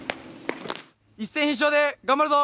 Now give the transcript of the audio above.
一戦必勝で頑張るぞ。